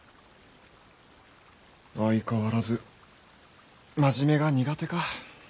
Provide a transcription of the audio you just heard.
相変わらず真面目が苦手か。